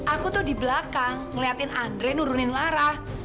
aku tuh di belakang ngeliatin andre nurunin lara